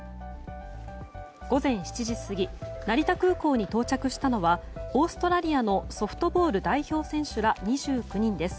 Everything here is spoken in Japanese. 午前７時過ぎ成田空港に到着したのはオーストラリアのソフトボール代表選手ら２９人です。